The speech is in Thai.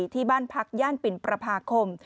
ที่บ้านพักย่านปิ่นประพาคม